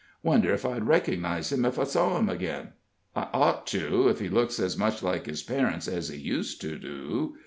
Wonder if I'd recognize him if I saw him again? I ought to, if he looks as much like his parents as he used to do.